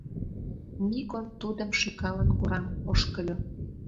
— Никон тудым шӱкалын кораҥ ошкыльо.